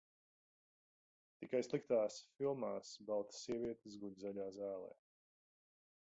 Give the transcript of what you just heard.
Tikai sliktās filmās baltas sievietes guļ zaļā zālē.